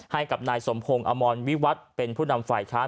ให้กับนายสมพงศ์อมรวิวัตรเป็นผู้นำฝ่ายค้าน